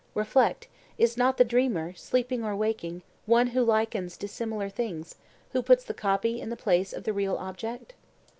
Reflect: is not the dreamer, sleeping or waking, one who likens dissimilar things, who puts the copy in the place of the real object?